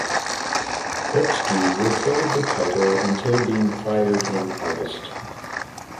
Putski would hold the title until being fired in August.